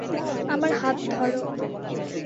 আমার হাত ধরো।